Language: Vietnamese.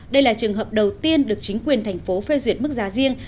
đây là trường hợp đầu tiên được chính quyền thành phố phê duyệt mức giá riêng